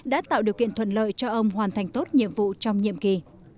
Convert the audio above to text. đã tạo điều kiện thuận lợi cho ông hoàn thành tốt nhiệm vụ trong nhiệm kỳ